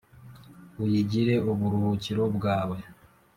uyigire uburuhukiro bwawe.